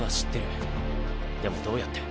でもどうやって？